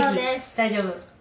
大丈夫？